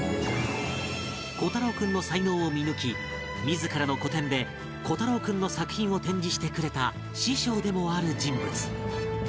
虎太朗君の才能を見抜き自らの個展で虎太朗君の作品を展示してくれた師匠でもある人物